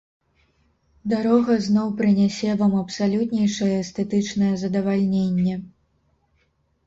Дарога зноў прынясе вам абсалютнейшае эстэтычнае задавальненне.